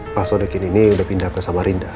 pak sodikin ini udah pindah ke samarinda